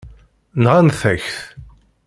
Nɣant-ak-t.